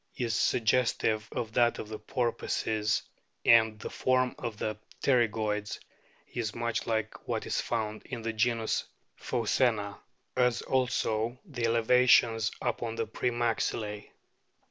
278 A BOOK OF WHALES suggestive of that of the Porpoises, and the form of the pterygoids is much like what is found in the genus Plwccena, as also the elevations upon the pre maxillae.